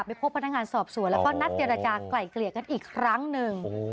พบพนักงานสอบสวนแล้วก็นัดเจรจากลายเกลี่ยกันอีกครั้งหนึ่ง